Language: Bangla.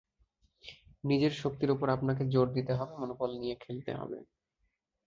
নিজের শক্তির ওপর আপনাকে জোর দিতে হবে, মনোবল নিয়ে খেলতে হবে।